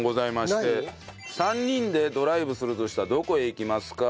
３人でドライブするとしたらどこへ行きますか？